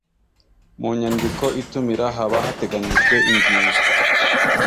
mu nyandiko itumira haba hateganyijwe ingingo